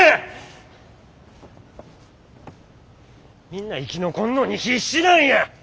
みんな生き残んのに必死なんや！